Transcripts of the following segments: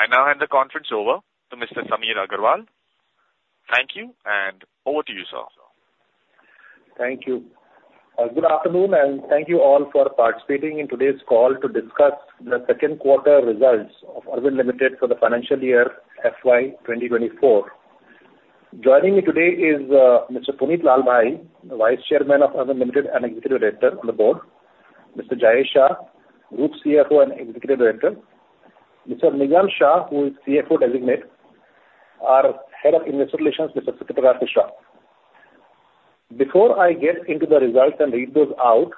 I now hand the conference over to Mr. Samir Agrawal. Thank you, and over to you, sir. Thank you. Good afternoon, and thank you all for participating in today's call to discuss the second quarter results of Arvind Limited for the financial year FY 2024. Joining me today is Mr. Punit Lalbhai, the Vice Chairman of Arvind Limited and Executive Director on the board, Mr. Jayesh Shah, Group CFO and Executive Director, Mr. Nigam Shah, who is CFO Designate, our Head of Investor Relations, Mr. Sukrit Raju Shah. Before I get into the results and read those out,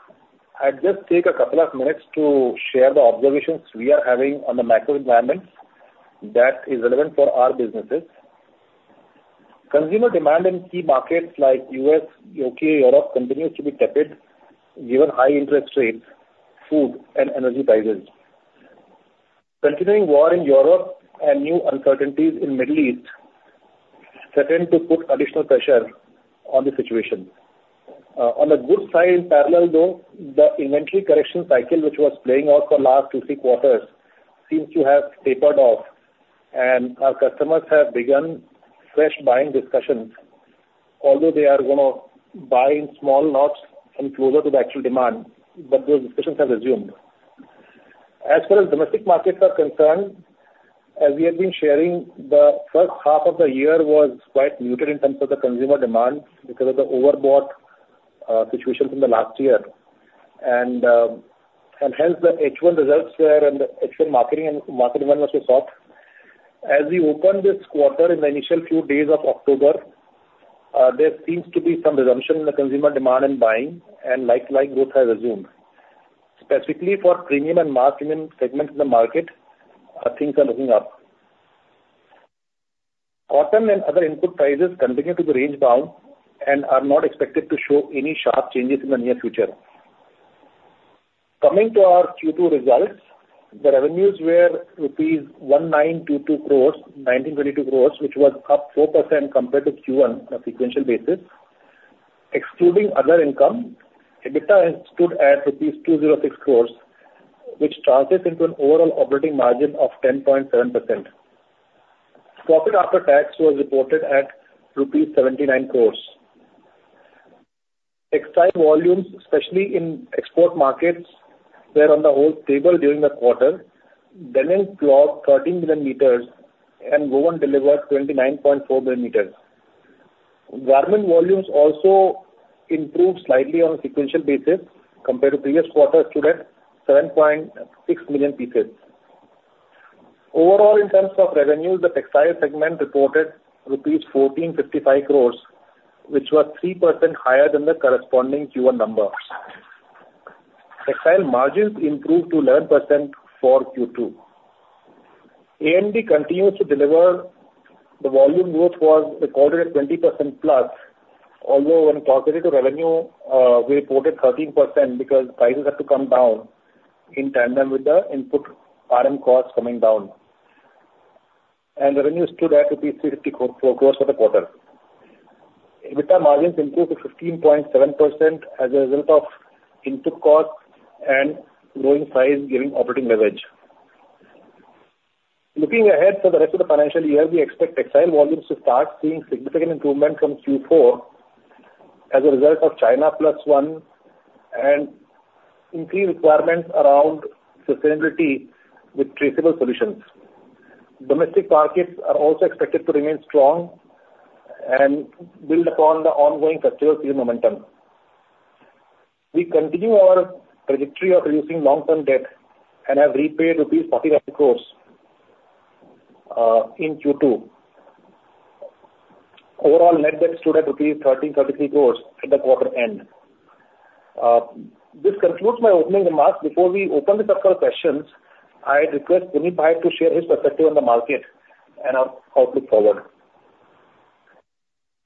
I'd just take a couple of minutes to share the observations we are having on the macro environment that is relevant for our businesses. Consumer demand in key markets like U.S., U.K., Europe, continues to be tepid, given high interest rates, food and energy prices. Continuing war in Europe and new uncertainties in Middle East threaten to put additional pressure on the situation. On the good side, in parallel though, the inventory correction cycle, which was playing out for last two, three quarters, seems to have tapered off, and our customers have begun fresh buying discussions. Although they are gonna buy in small lots and closer to the actual demand, but those discussions have resumed. As far as domestic markets are concerned, as we have been sharing, the first half of the year was quite muted in terms of the consumer demand because of the overbought situations in the last year. And hence, the H1 marketing and market demand was so soft. As we open this quarter in the initial few days of October, there seems to be some resumption in the consumer demand and buying, and like growth has resumed. Specifically for premium and mass premium segment in the market, things are looking up. Cotton and other input prices continue to be range bound and are not expected to show any sharp changes in the near future. Coming to our Q2 results, the revenues were rupees 1,922 crore, 1,922 crore, which was up 4% compared to Q1 on a sequential basis. Excluding other income, EBITDA stood at rupees 206 crore, which translates into an overall operating margin of 10.7%. Profit after tax was reported at rupees 79 crore. Textile volumes, especially in export markets, were on the whole stable during the quarter. Denim clocked 13 million meters, and woven delivered 29.4 million meters. Garment volumes also improved slightly on a sequential basis compared to previous quarter, stood at 7.6 million pieces. Overall, in terms of revenue, the textile segment reported rupees 1,455 crore, which was 3% higher than the corresponding Q1 number. Textile margins improved to 11% for Q2. AMD continues to deliver. The volume growth was recorded at 20%+, although when it comes to the revenue, we reported 13% because prices have to come down in tandem with the input RM costs coming down. Revenue stood at rupees 350 crore for the quarter. EBITDA margins improved to 15.7% as a result of input costs and growing size, giving operating leverage. Looking ahead for the rest of the financial year, we expect textile volumes to start seeing significant improvement from Q4 as a result of China Plus One, and increased requirements around sustainability with traceable solutions. Domestic markets are also expected to remain strong and build upon the ongoing customer season momentum. We continue our trajectory of reducing long-term debt and have repaid rupees 45 crore in Q2. Overall, net debt stood at rupees 1,333 crore at the quarter end. This concludes my opening remarks. Before we open the circle of questions, I'd request Punit try to share his perspective on the market and our outlook forward.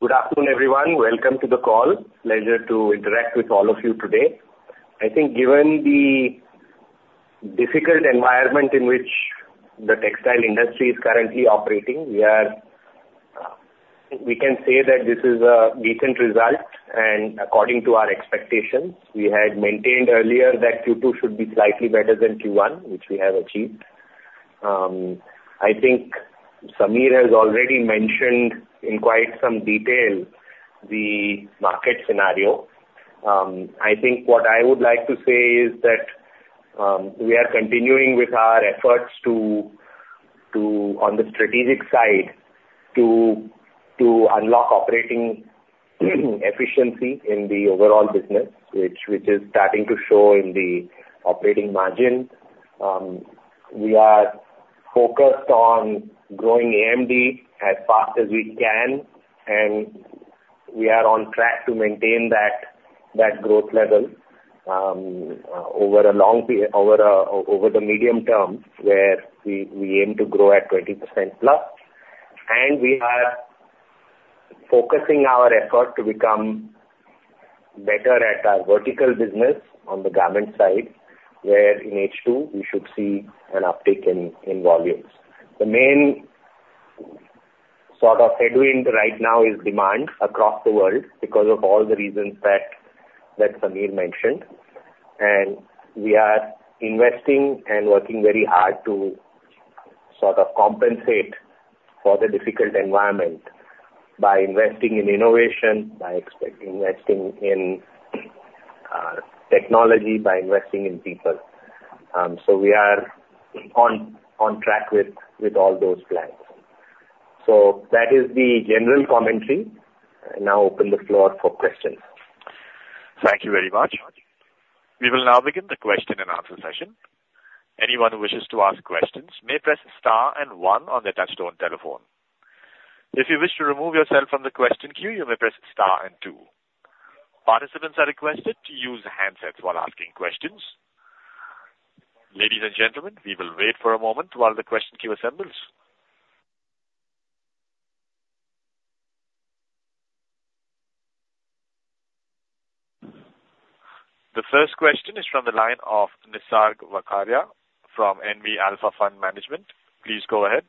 Good afternoon, everyone. Welcome to the call. Pleasure to interact with all of you today. I think given the difficult environment in which the textile industry is currently operating, we are we can say that this is a decent result, and according to our expectations, we had maintained earlier that Q2 should be slightly better than Q1, which we have achieved. I think Samir has already mentioned in quite some detail the market scenario. I think what I would like to say is that we are continuing with our efforts to on the strategic side, to unlock operating efficiency in the overall business, which is starting to show in the operating margin. We are focused on growing AMD as fast as we can, and we are on track to maintain that growth level over the medium term, where we aim to grow at 20%+. We are focusing our effort to become better at our vertical business on the garment side, where in H2, we should see an uptick in volumes. The main sort of headwind right now is demand across the world because of all the reasons that Samir mentioned. We are investing and working very hard to sort of compensate for the difficult environment by investing in innovation, by investing in technology, by investing in people. So we are on track with all those plans. So that is the general commentary. I now open the floor for questions. Thank you very much. We will now begin the question and answer session. Anyone who wishes to ask questions may press star and one on their touchtone telephone. If you wish to remove yourself from the question queue, you may press star and two. Participants are requested to use handsets while asking questions. Ladies and gentlemen, we will wait for a moment while the question queue assembles. The first question is from the line of Nisarg Vakharia from NV Alpha Fund Management. Please go ahead.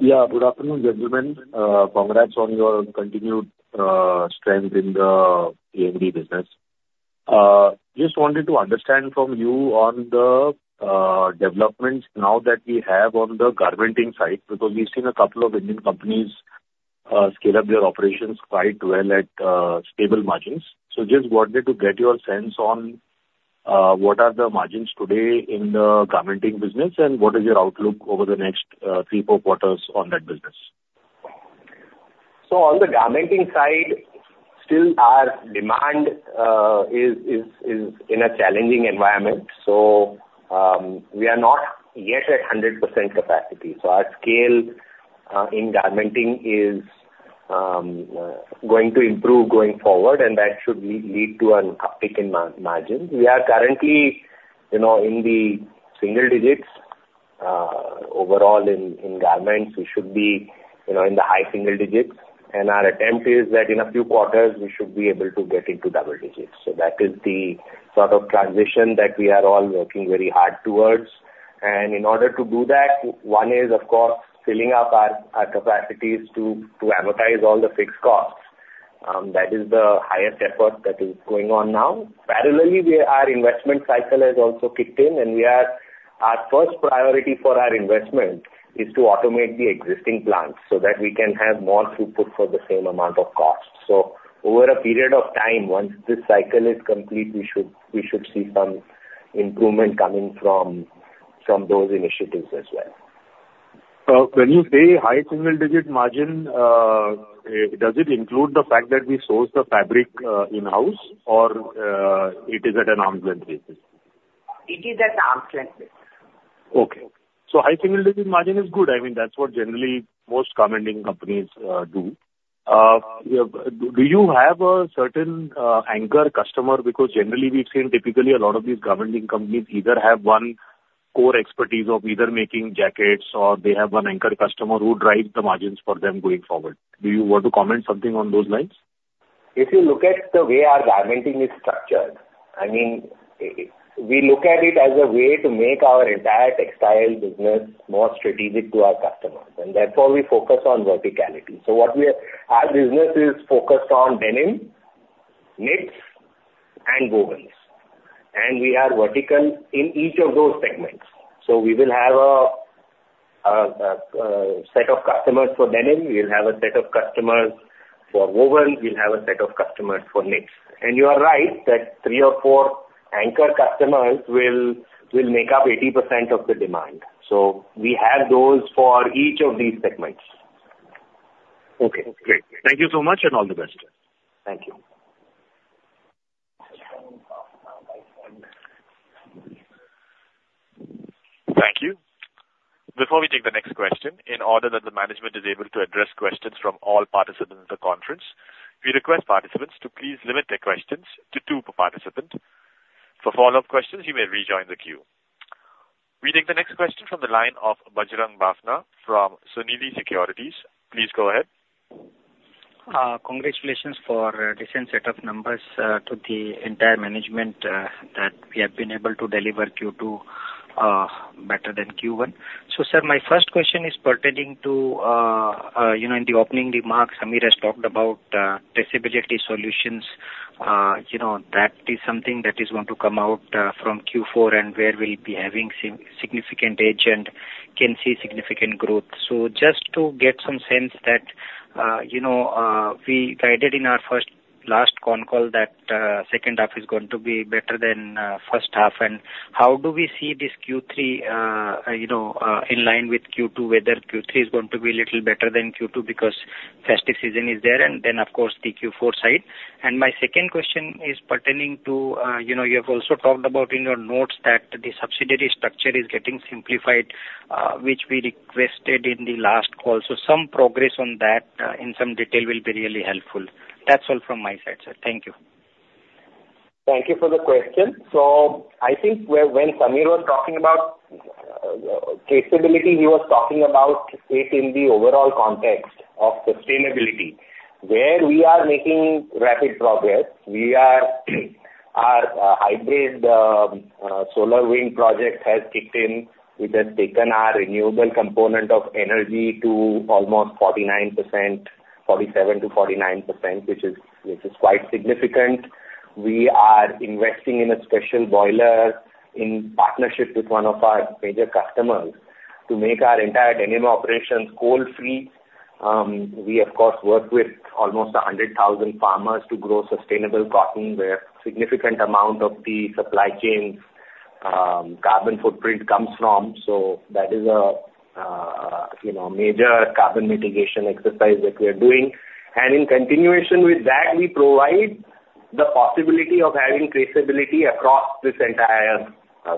Yeah, good afternoon, gentlemen. Congrats on your continued strength in the AMD business. Just wanted to understand from you on the developments now that we have on the garmenting side, because we've seen a couple of Indian companies scale up their operations quite well at stable margins. So just wanted to get your sense on what are the margins today in the garmenting business, and what is your outlook over the next three, four quarters on that business? So on the garmenting side, still our demand is in a challenging environment, so we are not yet at 100% capacity. So our scale in garmenting is going to improve going forward, and that should lead to an uptick in margins. We are currently, you know, in the single digits overall in garments. We should be, you know, in the high single digits. Our attempt is that in a few quarters we should be able to get into double digits. So that is the sort of transition that we are all working very hard towards. In order to do that, one is, of course, filling up our capacities to amortize all the fixed costs. That is the highest effort that is going on now. Parallelly, our investment cycle has also kicked in, and our first priority for our investment is to automate the existing plants so that we can have more throughput for the same amount of cost. So over a period of time, once this cycle is complete, we should see some improvement coming from those initiatives as well. So when you say high single-digit margin, does it include the fact that we source the fabric in-house or it is at an arm's length basis? It is at arm's length basis. Okay. So high single digit margin is good. I mean, that's what generally most garmenting companies do. Do you have a certain anchor customer? Because generally we've seen typically a lot of these garmenting companies either have one core expertise of either making jackets, or they have one anchor customer who drives the margins for them going forward. Do you want to comment something on those lines? If you look at the way our garmenting is structured, I mean, we look at it as a way to make our entire textile business more strategic to our customers, and therefore, we focus on verticality. So what we are... Our business is focused on denim, knits, and wovens, and we are vertical in each of those segments. So we will have a set of customers for denim, we'll have a set of customers for wovens, we'll have a set of customers for knits. And you are right, that three or four anchor customers will make up 80% of the demand. So we have those for each of these segments. Okay, great. Thank you so much, and all the best. Thank you. Thank you. Before we take the next question, in order that the management is able to address questions from all participants in the conference, we request participants to please limit their questions to two per participant. For follow-up questions, you may rejoin the queue. We take the next question from the line of Bajrang Bafna from Sunidhi Securities. Please go ahead. Congratulations for recent set of numbers to the entire management that we have been able to deliver Q2 better than Q1. So, sir, my first question is pertaining to, you know, in the opening remarks, Samir has talked about traceability solutions. You know, that is something that is going to come out from Q4, and where we'll be having significant edge and can see significant growth. So just to get some sense that, you know, we guided in our last con call that second half is going to be better than first half. And how do we see this Q3, you know, in line with Q2, whether Q3 is going to be a little better than Q2 because festive season is there, and then, of course, the Q4 side? My second question is pertaining to, you know, you have also talked about in your notes that the subsidiary structure is getting simplified, which we requested in the last call. Some progress on that, in some detail, will be really helpful. That's all from my side, sir. Thank you. Thank you for the question. So I think when Samir was talking about traceability, he was talking about it in the overall context of sustainability, where we are making rapid progress. We are... Our hybrid solar wind project has kicked in, which has taken our renewable component of energy to almost 49%, 47%-49%, which is quite significant. We are investing in a special boiler in partnership with one of our major customers to make our entire denim operations coal-free. We, of course, work with almost 100,000 farmers to grow sustainable cotton, where significant amount of the supply chain carbon footprint comes from. So that is a you know major carbon mitigation exercise that we are doing. In continuation with that, we provide the possibility of having traceability across this entire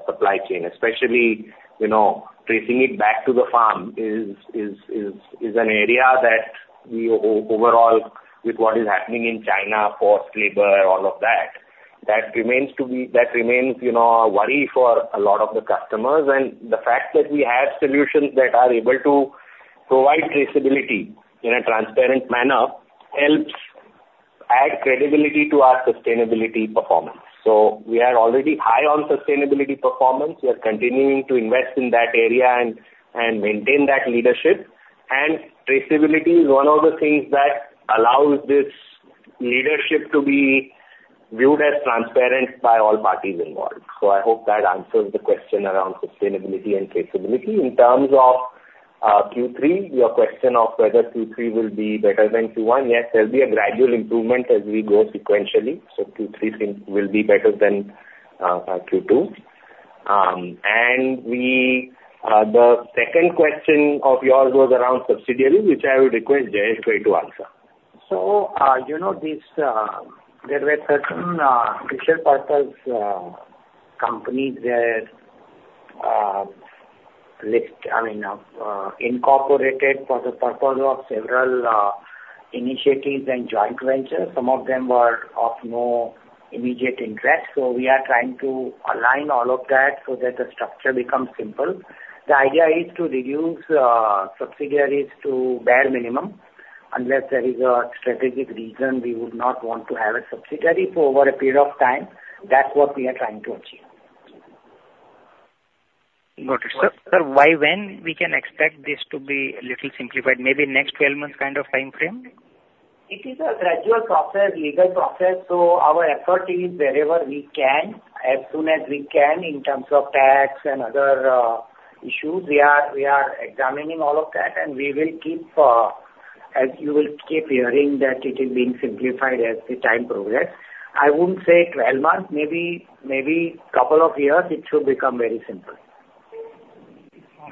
supply chain. Especially, you know, tracing it back to the farm is an area that we overall, with what is happening in China for labor, all of that. That remains, you know, a worry for a lot of the customers. The fact that we have solutions that are able to provide traceability in a transparent manner helps add credibility to our sustainability performance. We are already high on sustainability performance. We are continuing to invest in that area and maintain that leadership. Traceability is one of the things that allows this leadership to be viewed as transparent by all parties involved. I hope that answers the question around sustainability and traceability. In terms of Q3, your question of whether Q3 will be better than Q1, yes, there'll be a gradual improvement as we go sequentially. So Q3 things will be better than Q2. And we, the second question of yours was around subsidiaries, which I would request Jayesh to answer. So, you know, these, there were certain, special purpose, companies where, list, I mean, incorporated for the purpose of several, initiatives and joint ventures. Some of them were of no immediate interest, so we are trying to align all of that so that the structure becomes simple. The idea is to reduce, subsidiaries to bare minimum. Unless there is a strategic reason, we would not want to have a subsidiary for over a period of time. That's what we are trying to achieve. Got it. So, sir, why, when we can expect this to be a little simplified, maybe next twelve months kind of timeframe? It is a gradual process, legal process, so our effort is wherever we can, as soon as we can, in terms of tax and other, issues. We are, we are examining all of that, and we will keep, as you will keep hearing, that it is being simplified as the time progresses. I wouldn't say 12 months, maybe, maybe couple of years, it should become very simple.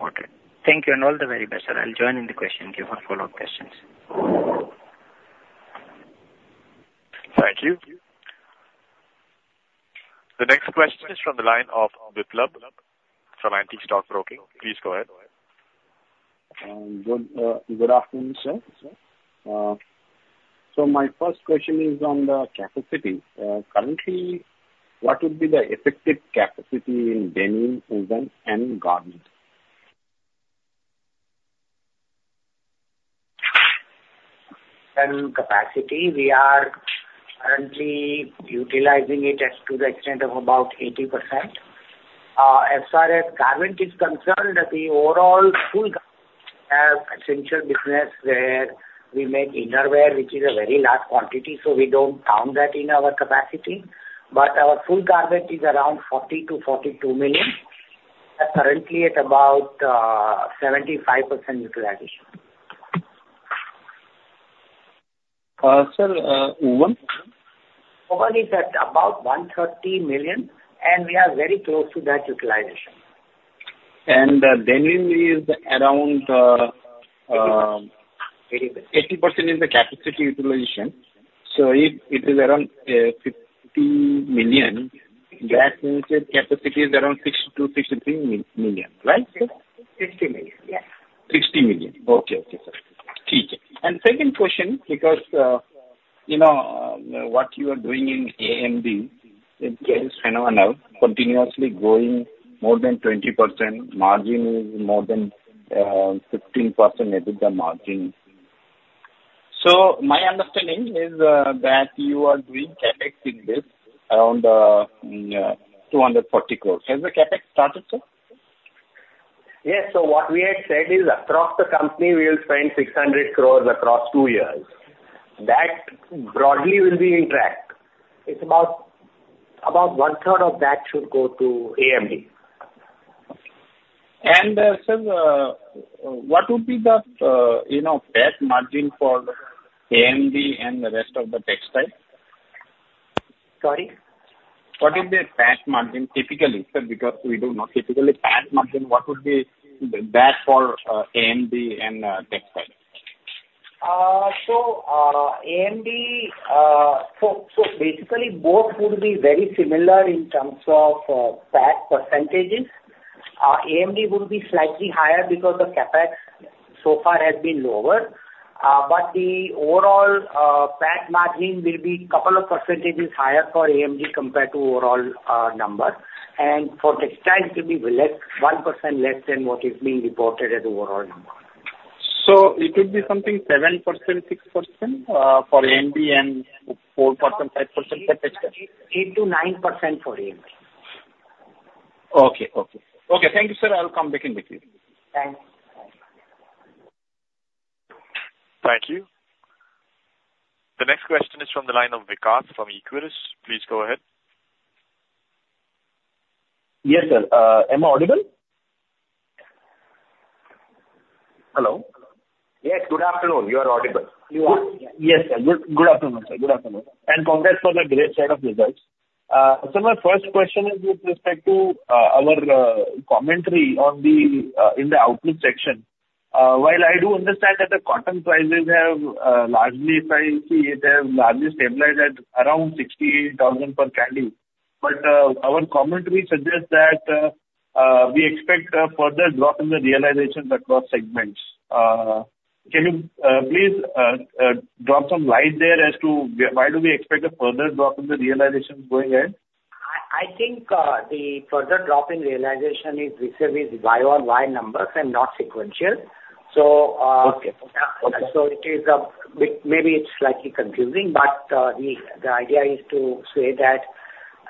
Okay. Thank you, and all the very best, sir. I'll join in the question queue for follow-up questions. Thank you. The next question is from the line of Biplab from Antique Stock Broking. Please go ahead. Good afternoon, sir. My first question is on the capacity. Currently, what would be the effective capacity in denim, woven, and garment? Capacity, we are currently utilizing it as to the extent of about 80%. As far as garment is concerned, the overall full-fledged potential business where we make innerwear, which is a very large quantity, so we don't count that in our capacity. But our full garment is around 40-42 million. We are currently at about 75% utilization. Sir, woven? Woven is at about 130 million, and we are very close to that utilization. Denim is around Eighty percent. 80% is the capacity utilization, so it, it is around 50 million. That means that capacity is around 62-63 million, right, sir? 60 million, yeah. 60 million. Okay. Okay, sir. And second question, because, you know, what you are doing in AMD is phenomenal, continuously growing more than 20%, margin is more than 15% EBITDA margin. So my understanding is, that you are doing CapEx in this around 240 crores. Has the CapEx started, sir? Yes. So what we had said is, across the company, we will spend 600 crore across two years. That broadly will be in track. It's about, about one third of that should go to AMD. Okay. And, sir, what would be the, you know, PAT margin for AMD and the rest of the textiles? Sorry? What is the PAT margin, typically, sir, because we do not... Typically, PAT margin, what would be that for, AMD and, textiles? So, basically both would be very similar in terms of PAT percentages. AMD will be slightly higher because the CapEx so far has been lower. But the overall PAT margin will be couple of percentages higher for AMD compared to overall number. And for textiles, it will be less, 1% less than what is being reported as overall number. ...So it would be something 7%, 6% for AMD and 4%, 5% CapEx? 8%-9% for AMD. Okay. Okay. Okay, thank you, sir. I'll come back in with you. Thanks. Thank you. The next question is from the line of Vikas from Equirus. Please go ahead. Yes, sir. Am I audible? Hello? Yes, good afternoon. You are audible. You are. Yes, sir. Good afternoon, sir. Good afternoon, and congrats for the great set of results. So my first question is with respect to our commentary on the in the outlook section. While I do understand that the cotton prices have largely priced, they have largely stabilized at around 68,000 per candy, but our commentary suggests that we expect a further drop in the realizations across segments. Can you please drop some light there as to why do we expect a further drop in the realizations going ahead? I think, the further drop in realization is received with Y-on-Y numbers and not sequential. So, Okay. So it is, maybe it's slightly confusing, but the idea is to say that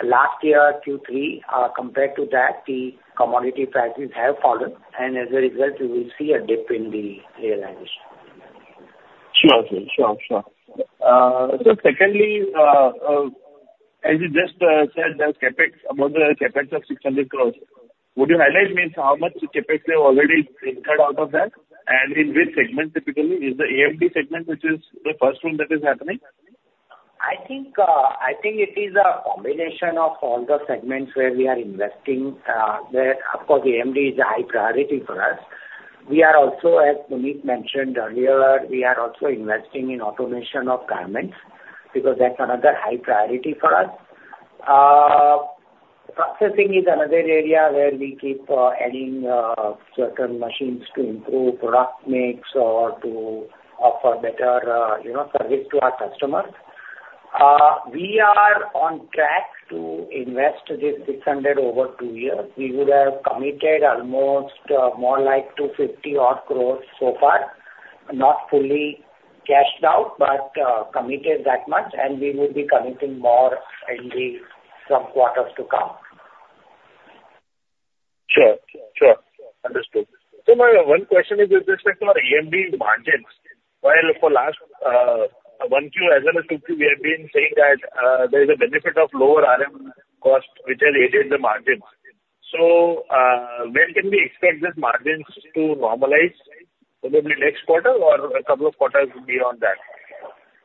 last year Q3, compared to that, the commodity prices have fallen, and as a result, you will see a dip in the realization. Sure, sure, sure. So secondly, as you just said, the CapEx, about the CapEx of 600 crore, would you highlight me how much CapEx you have already incurred out of that, and in which segment typically? Is the AMD segment, which is the first one that is happening? I think, I think it is a combination of all the segments where we are investing, where, of course, AMD is a high priority for us. We are also, as Sukrit mentioned earlier, we are also investing in automation of garments, because that's another high priority for us. Processing is another area where we keep adding certain machines to improve product mix or to offer better, you know, service to our customers. We are on track to invest this 600 crore over two years. We would have committed almost more like 250 odd crore so far, not fully cashed out, but committed that much, and we will be committing more in the some quarters to come. Sure, sure. Understood. So my one question is with respect to our AMD margins. While for last, one Q as well as two Q, we have been saying that, there is a benefit of lower RM cost, which has aided the margins. So, when can we expect these margins to normalize? Probably next quarter or a couple of quarters beyond that?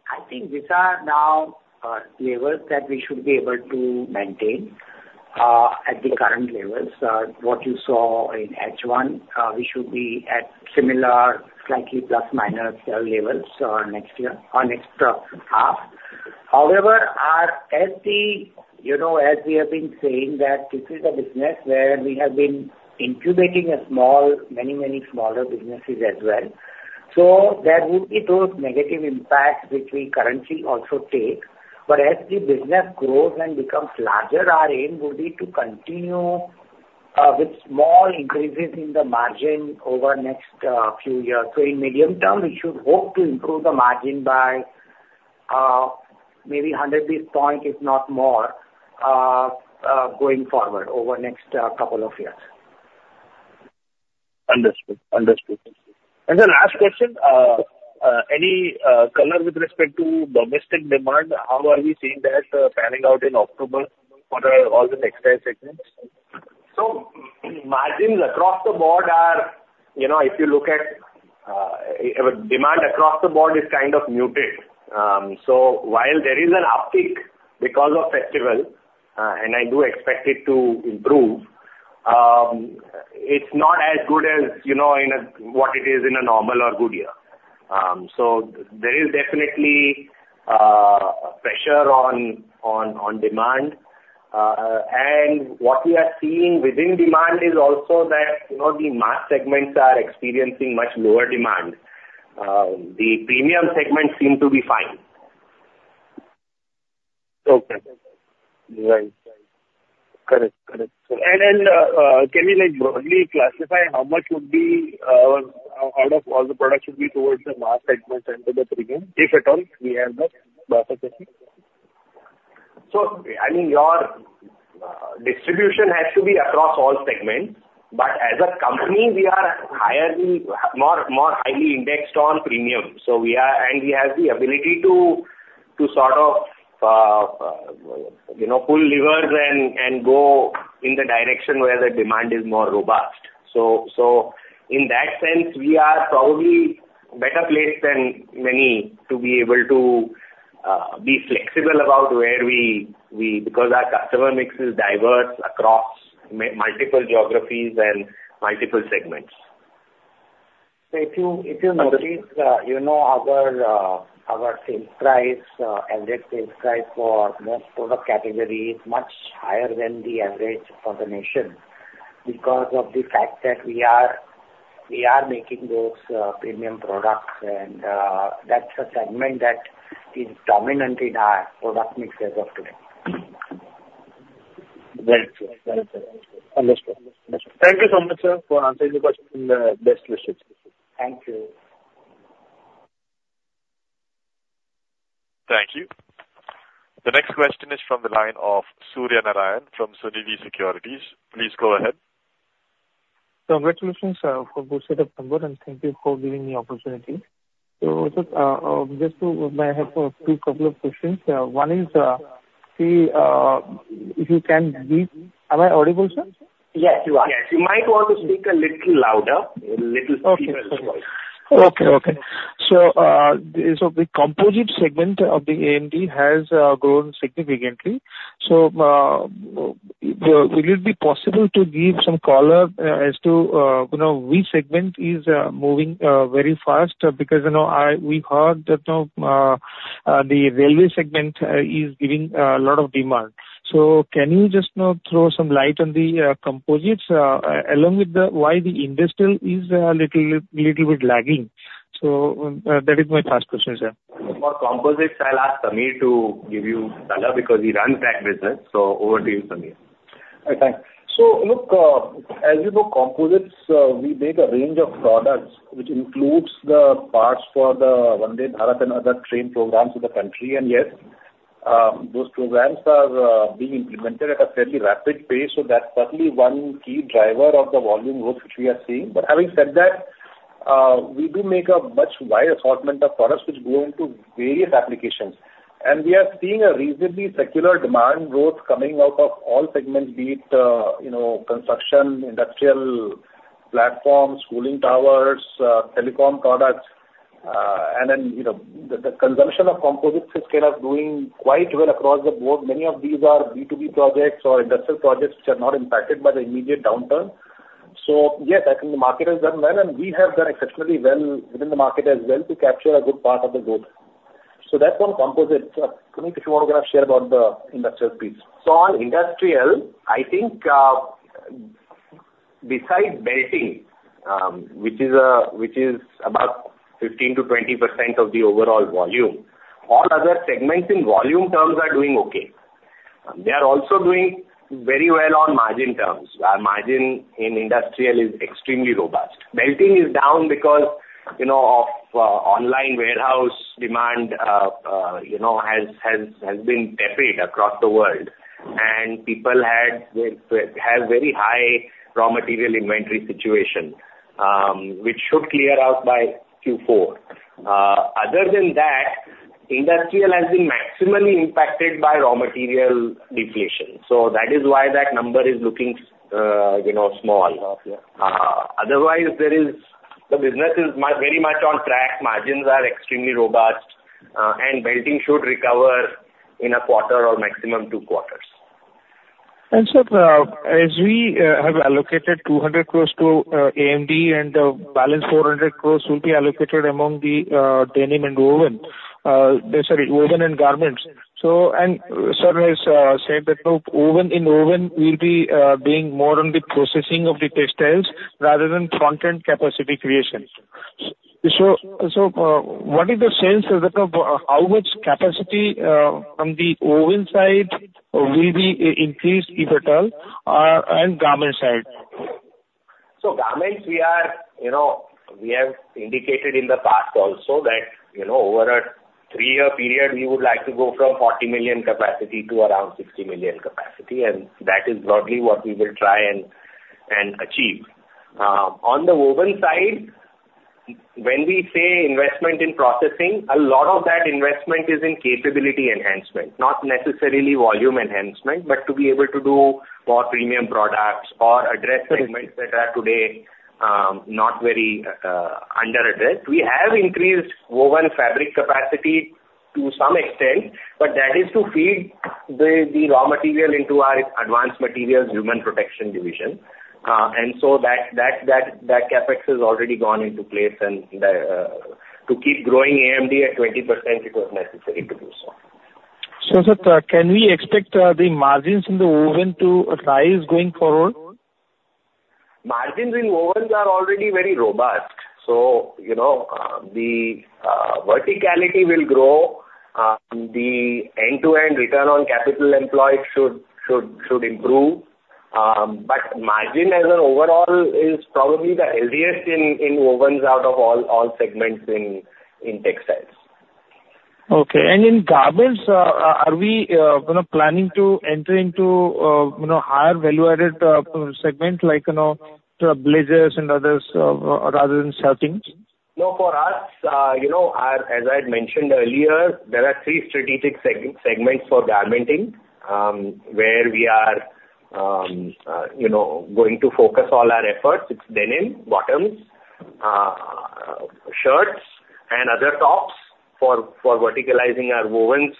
I think these are now levels that we should be able to maintain at the current levels. What you saw in H1, we should be at similar, slightly plus minus levels next year or next half. However, as the, you know, as we have been saying that this is a business where we have been incubating a small, many, many smaller businesses as well. So there would be those negative impacts which we currently also take. But as the business grows and becomes larger, our aim would be to continue with small increases in the margin over the next few years. So in medium term, we should hope to improve the margin by maybe 100 basis points, if not more, going forward over the next couple of years. Understood. Understood. The last question, any color with respect to domestic demand, how are we seeing that panning out in October for all the textile segments? So margins across the board are, you know, if you look at, demand across the board is kind of muted. So while there is an uptick because of festival, and I do expect it to improve, it's not as good as, you know, in a, what it is in a normal or good year. So there is definitely pressure on demand. And what we are seeing within demand is also that, you know, the mass segments are experiencing much lower demand. The premium segments seem to be fine. Okay. Right. Correct, correct. And then, can you, like, broadly classify how much would be out of all the products should be towards the mass segments and to the premium, if at all we have the classification? So I mean, your distribution has to be across all segments, but as a company, we are highly, more highly indexed on premium. So we are and we have the ability to sort of, you know, pull levers and go in the direction where the demand is more robust. So in that sense, we are probably better placed than many to be able to be flexible about where we... Because our customer mix is diverse across multiple geographies and multiple segments. So if you notice, you know, our sales price, average sales price for most product categories is much higher than the average for the nation. Because of the fact that we are making those premium products, and that's a segment that is dominant in our product mix as of today.... Right, sir. Very good. Understood. Thank you so much, sir, for answering the question. Best wishes. Thank you. Thank you. The next question is from the line of Surya Narayan from Sunidhi Securities. Please go ahead. Congratulations for good set of number, and thank you for giving me opportunity. So, sir, just to may I have two couple of questions. One is, see, if you can give— Am I audible, sir? Yes, you are. Yes, you might want to speak a little louder, a little deeper as well. Okay, okay. So, so the composite segment of the AMD has grown significantly. So, will it be possible to give some color, as to, you know, which segment is moving very fast? Because, you know, we heard that the railway segment is giving a lot of demand. So can you just now throw some light on the composites, along with the why the industrial is little bit lagging? So, that is my first question, sir. For composites, I'll ask Samir to give you color because he runs that business. So over to you, Samir. Thanks. So look, as you know, composites, we make a range of products, which includes the parts for the Vande Bharat and other train programs in the country. And yes, those programs are being implemented at a fairly rapid pace, so that's certainly one key driver of the volume growth which we are seeing. But having said that, we do make a much wide assortment of products which go into various applications. And we are seeing a reasonably secular demand growth coming out of all segments, be it, you know, construction, industrial platforms, cooling towers, telecom products. And then, you know, the consumption of composites is kind of doing quite well across the board. Many of these are B2B projects or industrial projects which are not impacted by the immediate downturn. So yes, I think the market has done well, and we have done exceptionally well within the market as well to capture a good part of the growth. So that's on composites. Punit, if you want to kind of share about the industrial piece. So on industrial, I think, besides belting, which is about 15%-20% of the overall volume, all other segments in volume terms are doing okay. They are also doing very well on margin terms. Our margin in industrial is extremely robust. Belting is down because, you know, of online warehouse demand, you know, has been tapered across the world, and people have very high raw material inventory situation, which should clear out by Q4. Other than that, industrial has been maximally impacted by raw material deflation. So that is why that number is looking, you know, small. Okay. Otherwise, there is... The business is very much on track. Margins are extremely robust, and belting should recover in a quarter or maximum two quarters. Sir, as we have allocated 200 crore to AMD, and the balance 400 crore will be allocated among the denim and woven, sorry, woven and garments. Sir has said that, look, in woven, we'll be more on the processing of the textiles rather than front-end capacity creation. So, what is the sense of how much capacity from the woven side will be increased, if at all, and garment side? So garments, we are, you know, we have indicated in the past also that, you know, over a three-year period, we would like to go from 40 million capacity to around 60 million capacity, and that is broadly what we will try and achieve. On the woven side, when we say investment in processing, a lot of that investment is in capability enhancement, not necessarily volume enhancement, but to be able to do more premium products or address segments that are today not very under addressed. We have increased woven fabric capacity to some extent, but that is to feed the raw material into our Advanced Materials Human Protection Division. And so that CapEx has already gone into place, and to keep growing AMD at 20%, it was necessary to do so. Sir, can we expect the margins in the woven to rise going forward? Margins in wovens are already very robust, so, you know, the verticality will grow. The end-to-end return on capital employed should improve. But margin as an overall is probably the healthiest in wovens out of all segments in textiles. Okay. In garments, are we, you know, planning to enter into, you know, higher value-added segments like, you know, to blazers and others, rather than shirtings? No, for us, you know, as I'd mentioned earlier, there are three strategic segments for garmenting, where we are, you know, going to focus all our efforts. It's denim, bottoms, shirts and other tops, for verticalizing our wovens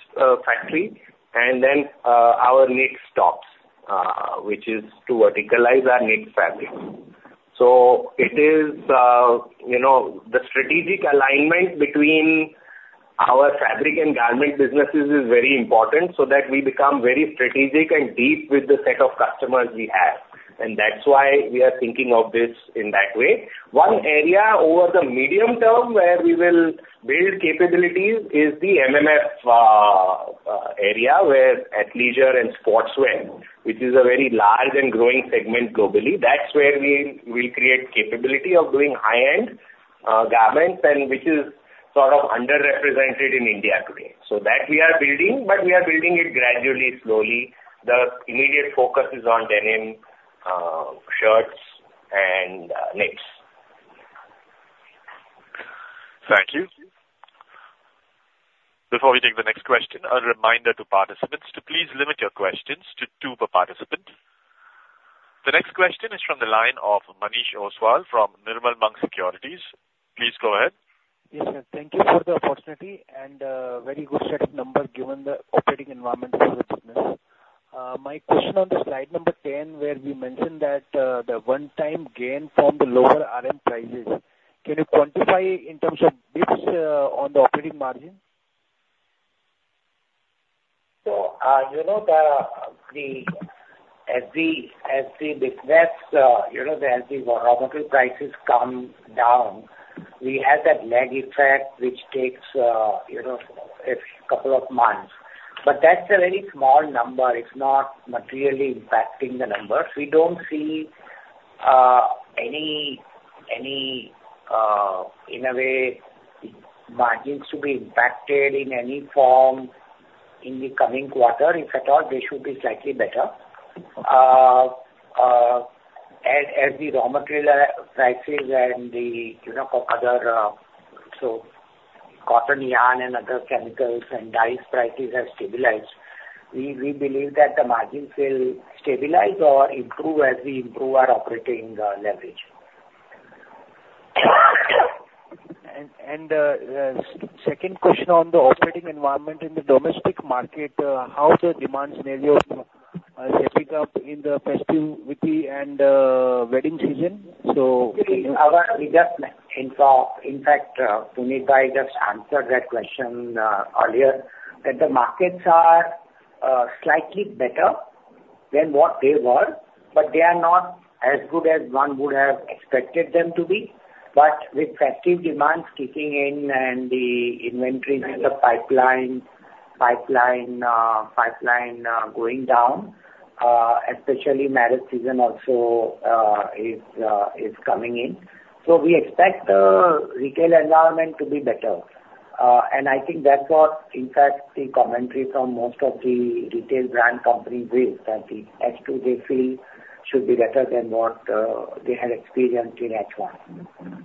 factory, and then our knit tops, which is to verticalize our knit fabric. So it is, you know, the strategic alignment between our fabric and garment businesses is very important, so that we become very strategic and deep with the set of customers we have, and that's why we are thinking of this in that way. One area over the medium term where we will build capabilities is the MMF.... area where athleisure and sportswear, which is a very large and growing segment globally, that's where we will create capability of doing high-end garments and which is sort of underrepresented in India today. So that we are building, but we are building it gradually, slowly. The immediate focus is on denim, shirts and knits. Thank you. Before we take the next question, a reminder to participants to please limit your questions to two per participant. The next question is from the line of Manish Ostwal from Nirmal Bang Securities. Please go ahead. Yes, sir. Thank you for the opportunity and, very good set of numbers, given the operating environment for the business. My question on the slide number 10, where we mentioned that, the one-time gain from the lower RM prices, can you quantify in terms of this, on the operating margin? So, you know, as the business, you know, as the raw material prices come down, we have that lag effect, which takes, you know, a couple of months. But that's a very small number. It's not materially impacting the numbers. We don't see any in a way, margins to be impacted in any form in the coming quarter. If at all, they should be slightly better. As the raw material prices and the, you know, other, so cotton yarn and other chemicals and dyes prices have stabilized, we believe that the margins will stabilize or improve as we improve our operating leverage. Second question on the operating environment in the domestic market, how the demand scenario shaping up in the festivity and wedding season? So- We just, in fact, Punit just answered that question earlier, that the markets are slightly better than what they were, but they are not as good as one would have expected them to be. But with festive demand kicking in and the inventory in the pipeline going down, especially marriage season also is coming in. So we expect the retail environment to be better. And I think that's what, in fact, the commentary from most of the retail brand companies is, that the H2, they feel, should be better than what they had experienced in H1.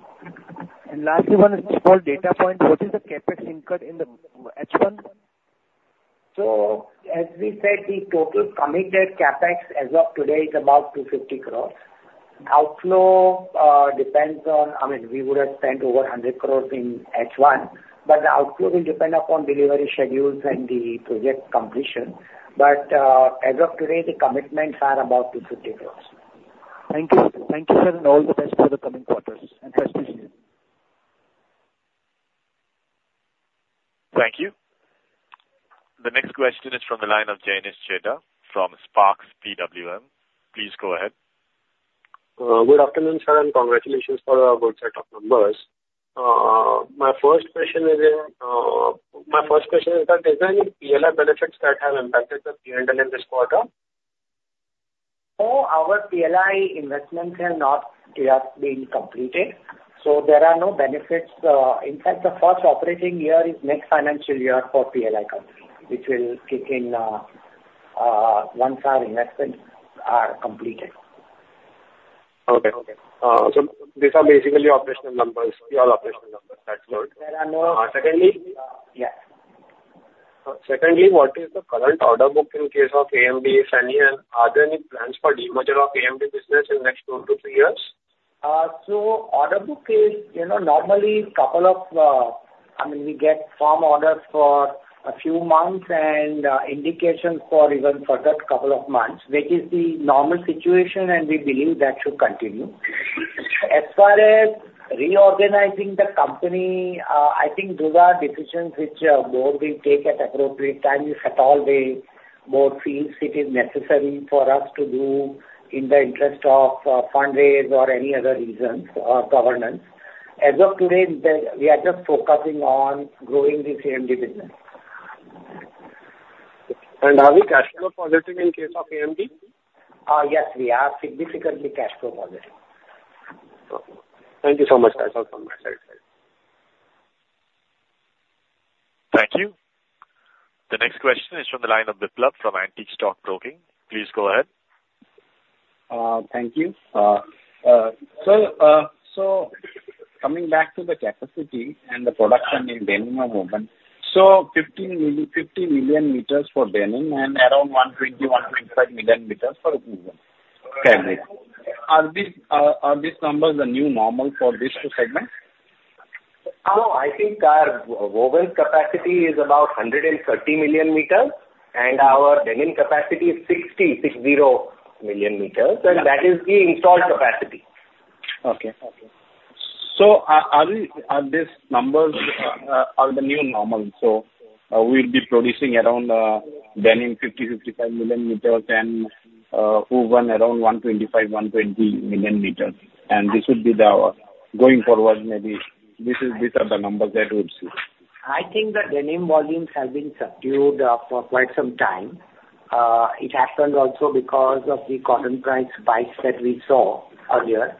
And lastly, one small data point. What is the CapEx incurred in the H1? So as we said, the total committed CapEx as of today is about 250 crores. Outflow depends on... I mean, we would have spent over 100 crores in H1, but the outflow will depend upon delivery schedules and the project completion. But as of today, the commitments are about 250 crores. Thank you. Thank you, sir, and all the best for the coming quarters, and thank you. Thank you. The next question is from the line of Jainis Chheda from Spark PWM. Please go ahead. Good afternoon, sir, and congratulations for a good set of numbers. My first question is that, is there any PLI benefits that have impacted the P&L in this quarter? Our PLI investments have not yet been completed, so there are no benefits. In fact, the first operating year is next financial year for PLI company, which will kick in, once our investments are completed. Okay, okay. These are basically operational numbers, all operational numbers. That's good. There are no- Uh, secondly- Uh, yes. Secondly, what is the current order book in case of AMD, Sanjay, and are there any plans for demerger of AMD business in next 2-3 years? So order book is, you know, normally couple of, I mean, we get firm orders for a few months and, indications for even further couple of months, which is the normal situation, and we believe that should continue. As far as reorganizing the company, I think those are decisions which our board will take at appropriate times, if at all the board feels it is necessary for us to do in the interest of, fundraise or any other reasons or governance. As of today, the, we are just focusing on growing the AMD business. Are we cash flow positive in case of AMD? Yes, we are significantly cash flow positive. Thank you so much, that's all from my side. Thank you. The next question is from the line of Biplab from Antique Stock Broking. Please go ahead. Thank you. So coming back to the capacity and the production in denim and woven. So 15 million, 50 million meters for denim and around 120-125 million meters for woven fabric. Are these numbers the new normal for these two segments? No, I think our woven capacity is about 130 million meters, and our denim capacity is 60 million meters, and that is the installed capacity. Okay, okay. So are these numbers the new normal? So we'll be producing around denim 50-55 million meters and woven around 125-120 million meters, and this would be the-... going forward, maybe this is, these are the numbers that we'll see. I think the denim volumes have been subdued for quite some time. It happened also because of the cotton price spikes that we saw earlier.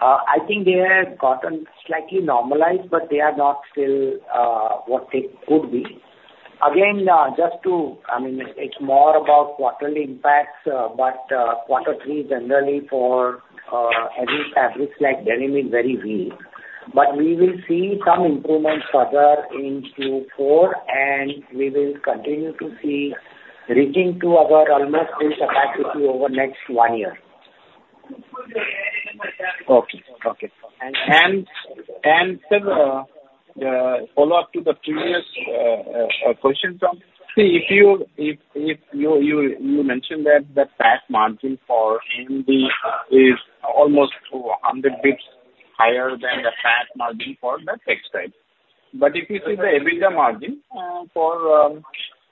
I think they have gotten slightly normalized, but they are not still what they could be. Again, just to... I mean, it's more about quarterly impacts, but quarter three generally for any fabrics like denim is very weak. But we will see some improvement further into four, and we will continue to see reaching to our almost full capacity over the next one year. Okay. Okay. Sir, the follow-up to the previous question. See if you mentioned that the PAT margin for AMD is almost 100 bps higher than the PAT margin for the textiles. But if you see the EBITDA margin for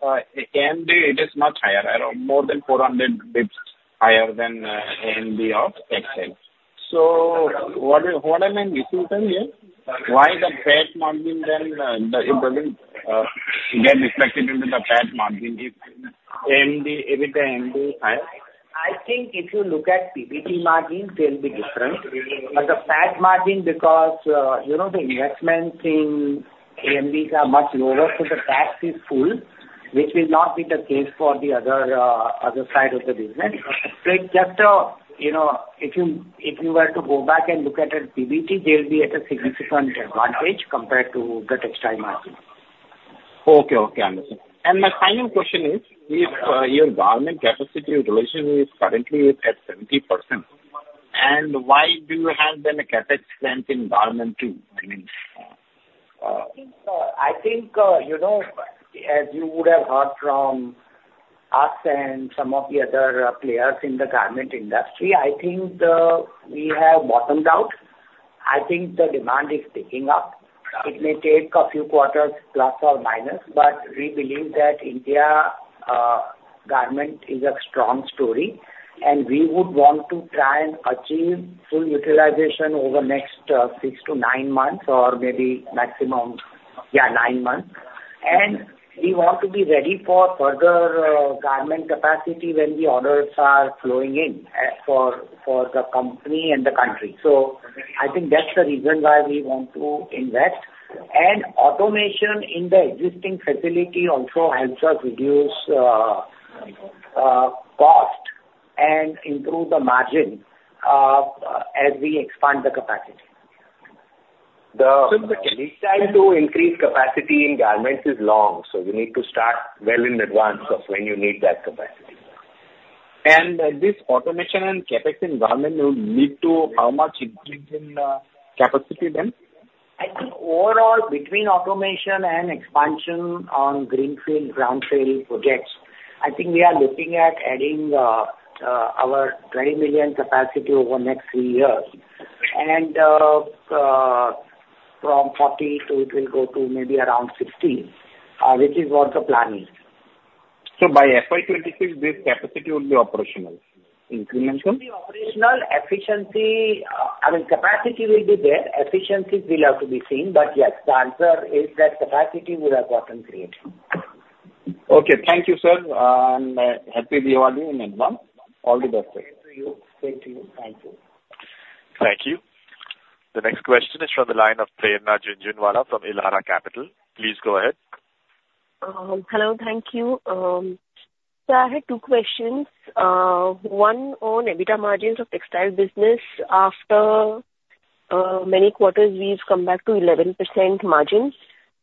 AMD, it is much higher, around more than 400 bps higher than AMD of textiles. So what am I missing from here? Why the PAT margin then it doesn't get reflected into the PAT margin if AMD EBITDA AMD is higher? I think if you look at PBT margins, they'll be different. But the PAT margin, because, you know, the investment in AMDs are much lower, so the tax is full, which will not be the case for the other, other side of the business. But just, you know, if you, if you were to go back and look at it PBT, they'll be at a significant advantage compared to the textile margin. Okay. Okay, I understand. And my final question is, if your garment capacity utilization is currently at 70%, and why do you have then a CapEx strength in garment, too? I mean, I think, you know, as you would have heard from us and some of the other players in the garment industry, I think we have bottomed out. I think the demand is picking up. It may take a few quarters, plus or minus, but we believe that India garment is a strong story, and we would want to try and achieve full utilization over the next 6 to 9 months, or maybe maximum, yeah, nine months. And we want to be ready for further garment capacity when the orders are flowing in, for the company and the country. So I think that's the reason why we want to invest. And automation in the existing facility also helps us reduce cost and improve the margin as we expand the capacity. The lead time to increase capacity in garments is long, so you need to start well in advance of when you need that capacity. This automation and CapEx in garment will lead to how much increase in capacity then? I think overall, between automation and expansion on greenfield, brownfield projects, I think we are looking at adding our 20 million capacity over the next three years. From 40, it will go to maybe around 60, which is what the plan is. By FY 26, this capacity will be operational, incremental? Will be operational. Efficiency, I mean, capacity will be there. Efficiencies will have to be seen, but yes, the answer is that capacity would have gotten created. Okay, thank you, sir, and Happy Diwali in advance. All the best to you. Thank you. Thank you. Thank you. The next question is from the line of Prerna Jhunjhunwala from Elara Capital. Please go ahead. Hello, thank you. Sir, I had two questions. One on EBITDA margins of textile business. After many quarters, we've come back to 11% margins.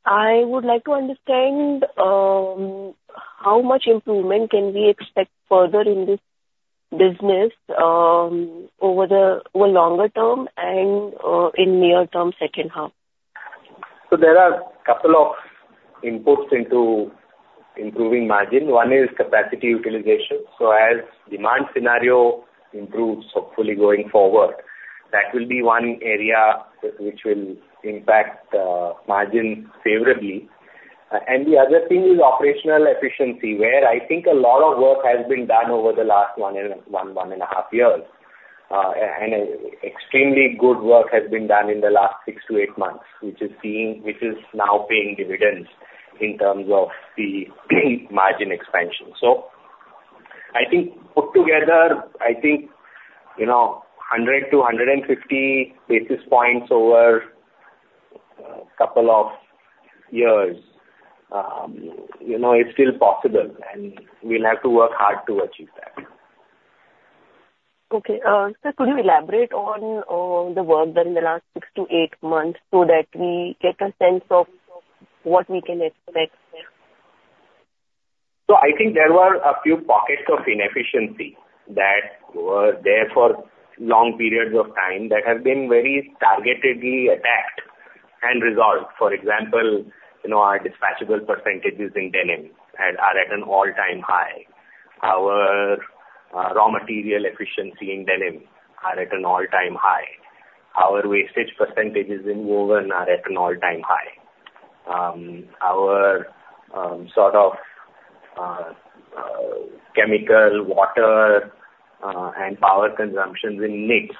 I would like to understand how much improvement can we expect further in this business over the longer term and in near-term second half? So there are a couple of inputs into improving margin. One is capacity utilization. So as demand scenario improves, hopefully, going forward, that will be one area which will impact margin favorably. And the other thing is operational efficiency, where I think a lot of work has been done over the last one and a half years. And extremely good work has been done in the last 6-8 months, which is now paying dividends in terms of the margin expansion. So I think put together, I think, you know, 100-150 basis points over a couple of years, you know, is still possible, and we'll have to work hard to achieve that. Okay. Sir, could you elaborate on the work done in the last 6-8 months so that we get a sense of what we can expect there? So I think there were a few pockets of inefficiency that were there for long periods of time that have been very targetedly attacked and resolved. For example, you know, our dispatchable percentages in denim are at an all-time high. Our raw material efficiency in denim are at an all-time high. Our wastage percentages in woven are at an all-time high. Our sort of chemical, water, and power consumptions in knits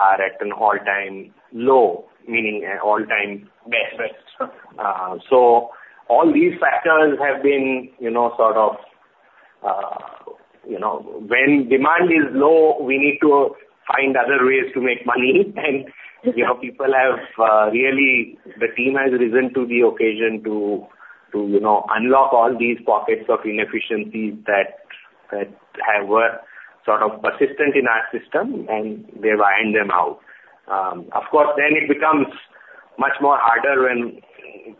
are at an all-time low, meaning an all-time best. So all these factors have been, you know, sort of, you know, when demand is low, we need to find other ways to make money. You know, people have really, the team has risen to the occasion to you know, unlock all these pockets of inefficiencies that were sort of persistent in our system, and they've ironed them out. Of course, then it becomes much harder when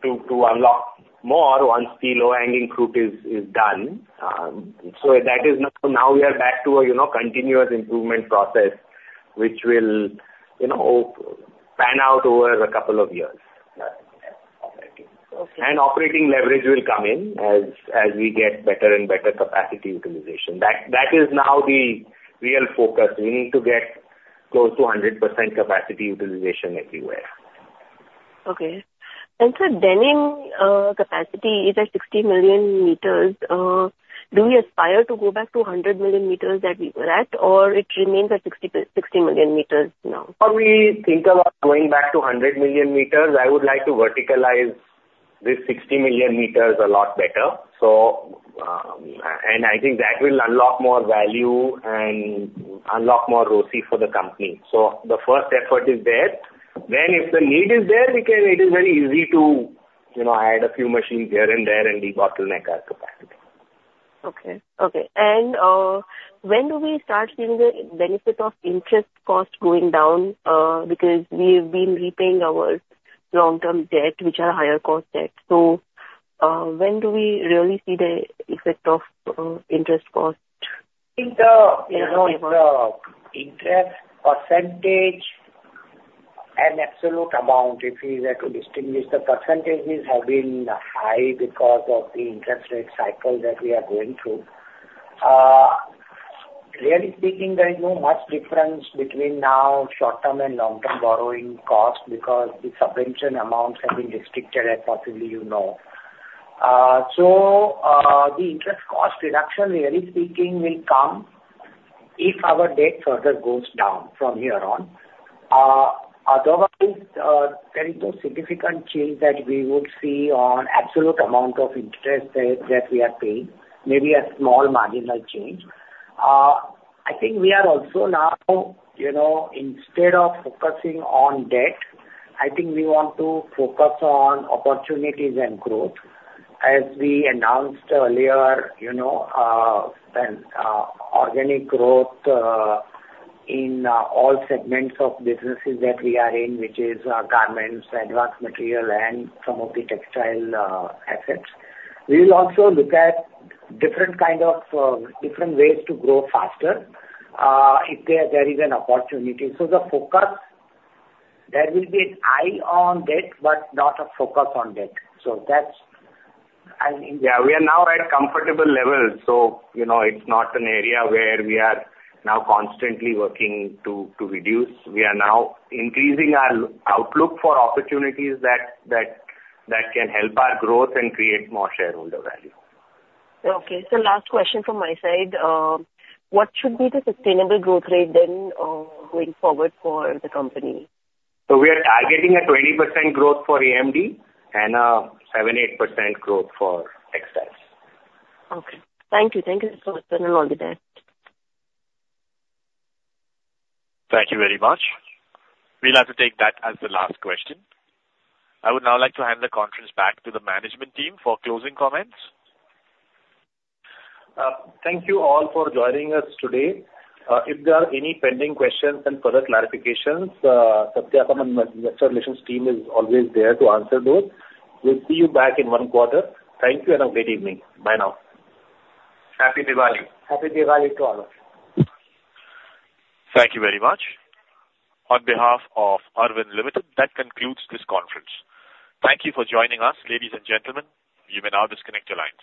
to unlock more once the low-hanging fruit is done. So that is now we are back to a you know, continuous improvement process, which will you know, pan out over a couple of years. Okay. Operating leverage will come in as, as we get better and better capacity utilization. That, that is now the real focus. We need to get close to 100% capacity utilization everywhere. Okay. And sir, denim capacity is at 60 million meters. Do we aspire to go back to 100 million meters that we were at, or it remains at 60, 60 million meters now? Well, we think about going back to 100 million meters. I would like to verticalize this 60 million meters a lot better. So, and I think that will unlock more value and unlock more ROCE for the company. So the first effort is there. Then, if the need is there, we can... It is very easy to, you know, add a few machines here and there, and we bottleneck our capacity. Okay. Okay. And, when do we start seeing the benefit of interest costs going down? Because we've been repaying our long-term debt, which are higher cost debt. So, when do we really see the effect of interest cost? I think the, you know, the interest percentage and absolute amount, if we were to distinguish, the percentages have been high because of the interest rate cycle that we are going through. Really speaking, there is no much difference between now short-term and long-term borrowing costs because the subscription amounts have been restricted, as possibly you know. So, the interest cost reduction, really speaking, will come if our debt further goes down from here on. Otherwise, there is no significant change that we would see on absolute amount of interest debt that we are paying, maybe a small marginal change. I think we are also now, you know, instead of focusing on debt, I think we want to focus on opportunities and growth. As we announced earlier, you know, organic growth in all segments of businesses that we are in, which is garments, advanced material, and some of the textile assets. We will also look at different kind of different ways to grow faster, if there is an opportunity. So the focus, there will be an eye on debt, but not a focus on debt. So that's, I mean- Yeah, we are now at comfortable levels, so, you know, it's not an area where we are now constantly working to reduce. We are now increasing our outlook for opportunities that can help our growth and create more shareholder value. Okay. So last question from my side. What should be the sustainable growth rate then, going forward for the company? We are targeting a 20% growth for AMD and a 7-8% growth for textiles. Okay. Thank you. Thank you so much, and have a good day. Thank you very much. We'll have to take that as the last question. I would now like to hand the conference back to the management team for closing comments. Thank you all for joining us today. If there are any pending questions and further clarifications, Satyakam and investor relations team is always there to answer those. We'll see you back in one quarter. Thank you, and have a great evening. Bye now. Happy Diwali! Happy Diwali to all of you. Thank you very much. On behalf of Arvind Limited, that concludes this conference. Thank you for joining us, ladies and gentlemen. You may now disconnect your lines.